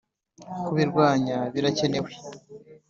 kubirwanya birakenewe